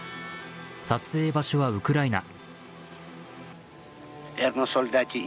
撮影場所はウクライナ。